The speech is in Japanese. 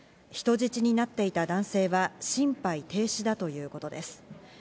人質になっていた男性は心肺停止だということです。